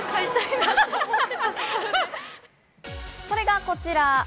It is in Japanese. それがこちら。